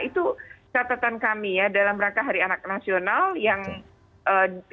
itu catatan kami ya dalam rangka hari anak nasional yang masuk kedua tahun ya di masa pandemi